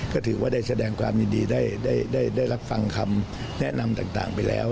ก็ถือว่าได้แสดงความยินดีได้รับฟังคำแนะนำต่างไปแล้ว